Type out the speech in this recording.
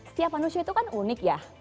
setiap manusia itu kan unik ya